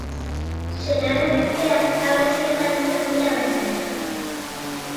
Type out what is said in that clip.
Senar-emazteak haur eske joan izan dira bertara.